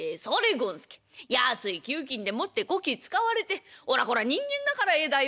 やすい給金でもってこき使われておらこら人間だからええだよ。